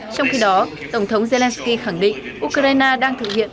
trong khi đó tổng thống zelensky khẳng định ukraine đang thực hiện